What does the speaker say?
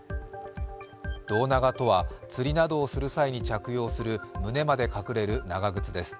胴長とは、釣りなどをする際に着用する胸まで隠れる長靴です。